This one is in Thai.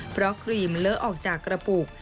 เพราะครีมเลอะออกจากกระปุก